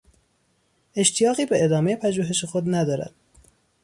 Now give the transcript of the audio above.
اشتیاقی به ادامهی پژوهش خود ندارد.